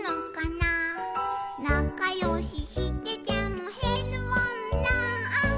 「なかよししててもへるもんなー」